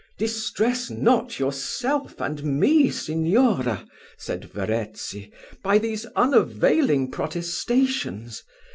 "Distress not yourself and me, Signora," said Verezzi, "by these unavailing protestations.